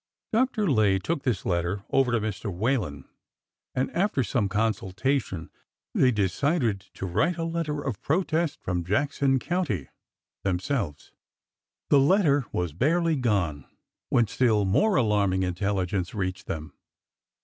Dr. Lay took this letter over to Mr. Whalen, and after some consultation they decided to write a letter of pro test from Jackson County themselves. The letter was barely gone when still more alarming intelligence reached them.